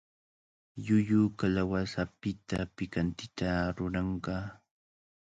Llullu kalawasapita pikantita ruranqa.